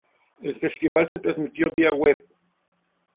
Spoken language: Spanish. El festival se transmitió vía web.